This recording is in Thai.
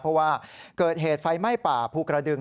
เพราะว่าเกิดเหตุไฟไหม้ป่าภูกระดึง